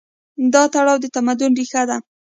دا تړاو د تمدن ریښه ده.